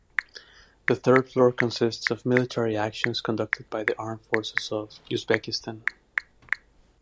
The third floor consists of military actions conducted by the Armed Forces of Uzbekistan.